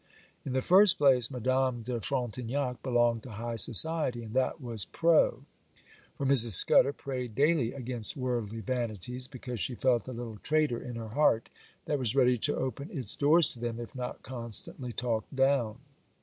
In the first place, Madame de Frontignac belonged to high society, and that was pro; for Mrs. Scudder prayed daily against worldly vanities, because she felt a little traitor in her heart that was ready to open its door to them if not constantly talked down.